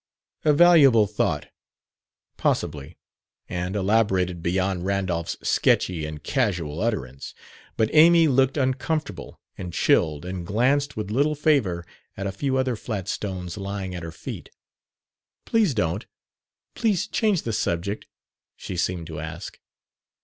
A valuable thought, possibly, and elaborated beyond Randolph's sketchy and casual utterance; but Amy looked uncomfortable and chilled and glanced with little favor at a few other flat stones lying at her feet. "Please don't. Please change the subject," she seemed to ask.